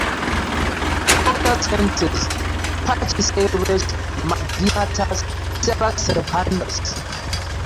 Cactus fences: "Pachycereus marginatus, Cereus repandus".